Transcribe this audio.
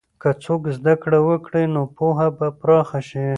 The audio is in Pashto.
که څوک زده کړه وکړي، نو پوهه به پراخه شي.